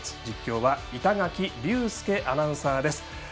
実況は板垣龍佑アナウンサーです。